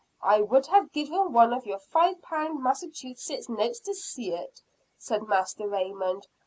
"I would have given one of your five pound Massachusetts notes to see it," said Master Raymond.